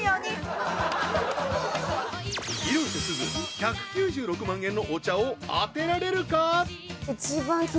広瀬すず１９６万円のお茶を当てられるか。